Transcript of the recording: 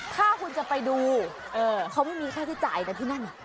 ถ้าคุณจะไปดูไม่มีแค่จ่ายในที่นั่น